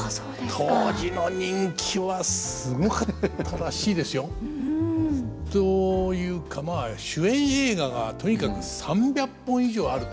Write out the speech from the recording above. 当時の人気はすごかったらしいですよ。というかまあ主演映画がとにかく３００本以上あると。